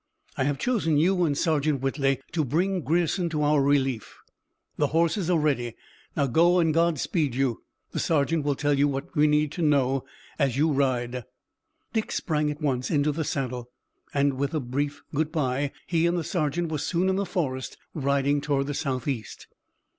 I have chosen you and Sergeant Whitley to bring Grierson to our relief. The horses are ready. Now go, and God speed you. The sergeant will tell you what we know as you ride." Dick sprang at once into the saddle, and with a brief good bye he and the sergeant were soon in the forest riding toward the southeast.